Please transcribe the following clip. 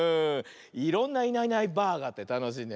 いろんな「いないいないばあ！」があってたのしいね。